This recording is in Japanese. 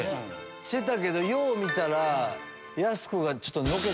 してたけどよう見たら。